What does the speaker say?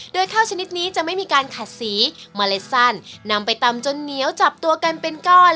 โดยข้าวชนิดนี้จะไม่มีการขัดสีเมล็ดสั้นนำไปตำจนเหนียวจับตัวกันเป็นก้อน